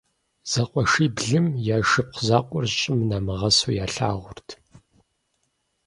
Зэкъуэшиблым я шыпхъу закъуэр щӀым намыгъэсу ялъагъурт.